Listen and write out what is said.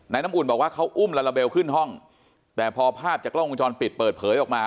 น้ำอุ่นบอกว่าเขาอุ้มลาลาเบลขึ้นห้องแต่พอภาพจากกล้องวงจรปิดเปิดเผยออกมา